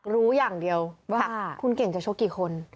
รู้อย่างเดียวว่าคุณเก่งจะชกกี่คน